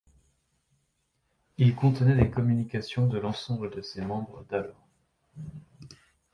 Il contenait des communications de l’ensemble de ses membres d’alors.